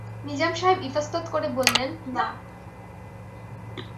নিজাম সাহেব ইতস্তত করে বললেন, না।